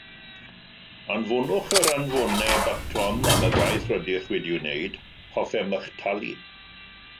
Anfonwch yr anfoneb atom am y gwaith rydych wedi'i wneud, hoffem eich talu.